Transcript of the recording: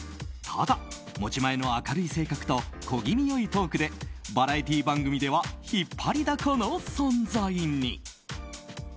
ただ、持ち前の明るい性格と小気味良いトークでバラエティー番組では引っ張りだこの存在に。